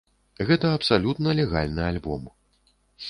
Гэта абсалютна легальны альбом.